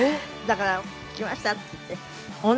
だから「来ました」って言って。